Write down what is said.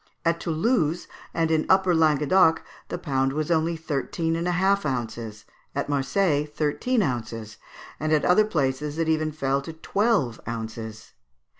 At Toulouse and in Upper Languedoc the pound was only thirteen and a half ounces; at Marseilles, thirteen ounces; and at other places it even fell to twelve ounces.